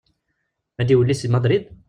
Ad d-iwelli seg Madrid?